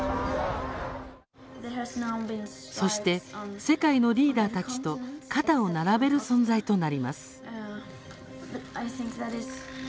そして世界のリーダーたちと肩を並べる存在となります。